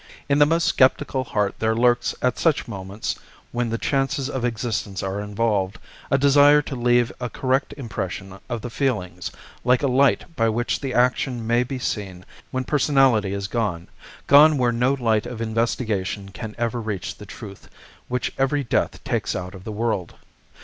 In the most sceptical heart there lurks at such moments, when the chances of existence are involved, a desire to leave a correct impression of the feelings, like a light by which the action may be seen when personality is gone, gone where no light of investigation can ever reach the truth which every death takes out of the world.